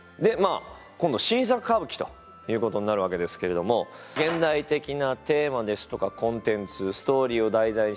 あ今度新作歌舞伎ということになるわけですけれども現代的なテーマですとかコンテンツストーリーを題材にしました